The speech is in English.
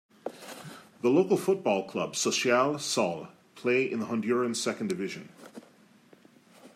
The local football club, Social Sol, play in the Honduran second division.